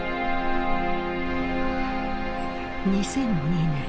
２００２年。